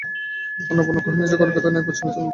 অন্নপূর্ণা কহিলেন, সে কলিকাতায় নাই, পশ্চিমে চলিয়া গেছে।